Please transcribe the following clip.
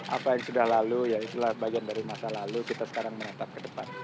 apa yang sudah lalu ya itulah bagian dari masa lalu kita sekarang menatap ke depan